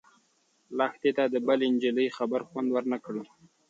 لښتې ته د بلې نجلۍ خبر خوند ورنه کړ.